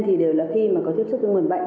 thì đều là khi mà có tiếp xúc với nguồn bệnh